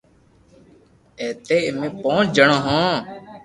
ائمي امي پونچ جڻو ھون